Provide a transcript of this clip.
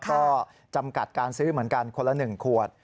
ก็จำกัดการซื้อเหมือนกันคนละ๑ขวด